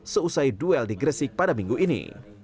seusai duel di gresik pada minggu ini